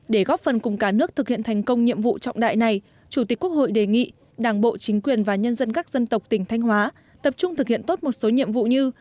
để góp phần cùng cả nước thực hiện thành công nhiệm vụ trọng đại này chủ tịch quốc hội đề nghị đảng bộ chính quyền và nhân dân các dân tộc tỉnh thanh hóa tập trung thực hiện tốt một số nhiệm vụ như